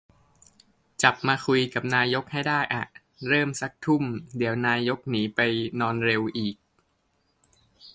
จับมาคุยกับนายกให้ได้อะ เริ่มซัก ทุ่ม เดี๋ยวนายกหนีไปนอนเร็วอีก